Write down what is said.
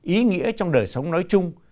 ý nghĩa trong đời sống nói chung